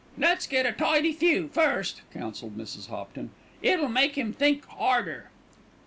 "Let's get a tidy few, first," counselled Mrs. Hopton. "It'll make 'im think 'arder."